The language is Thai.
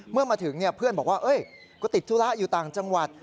เมื่อมาถึงเพื่อนบอกว่าก็ติดธุระอยู่ต่างจังหวัด